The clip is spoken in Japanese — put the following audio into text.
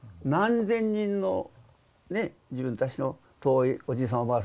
何千人の自分たちの遠いおじいさん